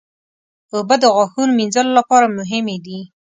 اوبه د غاښونو مینځلو لپاره مهمې دي.